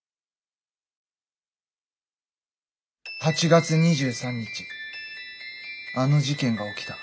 ８月２３日あの事件が起きた。